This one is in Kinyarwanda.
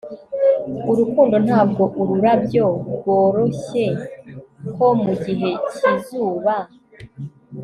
Urukundo ntabwo arurabyo rworoshye ko mugihe cyizuba